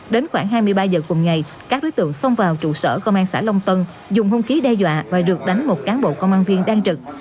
đến khoảng hai mươi ba giờ cùng ngày các đối tượng xông vào trụ sở công an xã long tân dùng hung khí đe dọa và rượt đánh một cán bộ công an viên đang trực